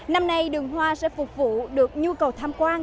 năm nay đường hoa sẽ phục vụ được nhu cầu tham quan